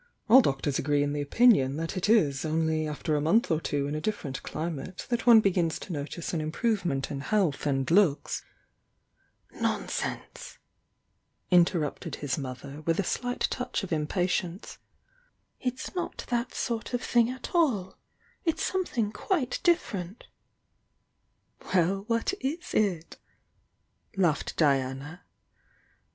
All doctors agree in the opinion that it is only after a month or two in a different climate that one begins to notice an im provement in health and looks " "Nonsense!" interrupted his mother, with a slight THE YOUNG DIANA 180 toudj of impatience. "It's not that sort of thing .ml 11 ' ■"""^tl^'ng quite different!" WeU, what it it?" laughed Diana.